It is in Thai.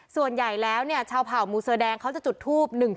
ส่วนใหญ่แล้วเนี่ยเช่าเผ่ามูเสอดแดงคราวจะจุดทูป